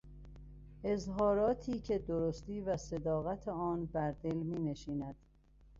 اظهاراتی که درستی و صداقت آن بردل مینشیند